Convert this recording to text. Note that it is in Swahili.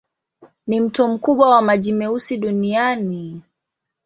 Ni mto mkubwa wa maji meusi duniani.